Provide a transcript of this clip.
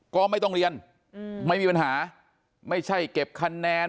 ก็ไม่ต้องเรียนไม่มีปัญหาไม่ใช่เก็บคะแนน